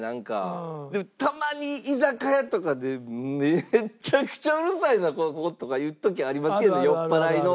でもたまに居酒屋とかでめちゃくちゃうるさいなこことかいう時ありますけど酔っ払いの。